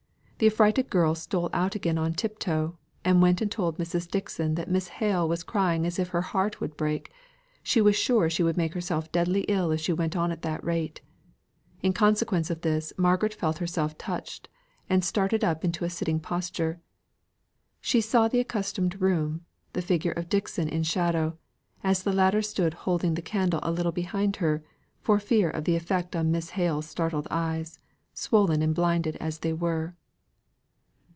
The affrighted girl stole out again on tip toe, and went and told Mrs. Dixon that Miss Hale was crying as if her heart would break: she was sure she would make herself deadly ill if she went on at that rate. In consequence of this, Margaret felt herself touched, and started up into a sitting posture; she saw the accustomed room, the figure of Dixon in shadow, as the latter stood holding a candle a little behind her, for fear of the effect on Miss Hale's startled eyes, swollen and blinded as they were.